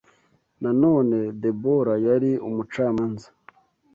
Nanone Debora yari umucamanza